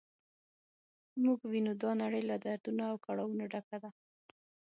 موږ وینو دا نړۍ له دردونو او کړاوونو ډکه ده.